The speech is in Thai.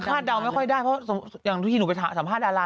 ยังคาดเดาไม่ค่อยได้เพราะที่หนูไปสัมภาษณ์ดารา